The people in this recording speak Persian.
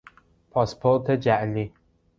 پاسپورت جعلی